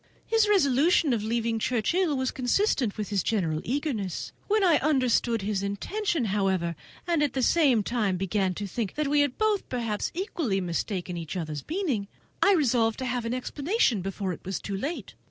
His resolution of leaving Churchhill is consistent with his general eagerness. When I understood his intention, however, and at the same time began to think that we had been perhaps equally mistaken in each other's meaning, I resolved to have an explanation before it was too late.